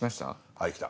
はい来た。